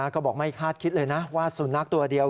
ก็บอกไม่คาดคิดเลยนะว่าสุนัขตัวเดียว